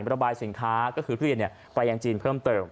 ระบายสินค้าก็คือทุเรียนไปยังจีนเพิ่มเติม